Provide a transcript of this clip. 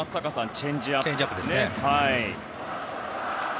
チェンジアップですね。